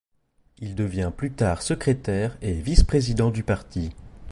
Il devient plus tard secrétaire et vice-président du parti.